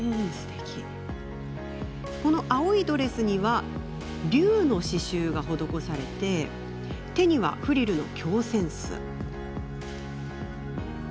こちらの青いドレスには竜の刺しゅうが施され手にはフリルの京扇子。